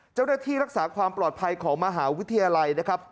เจ้าหน้าที่รักษาความปลอดภัยของมหาวิทยาลัยนะครับ